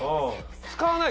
使わない！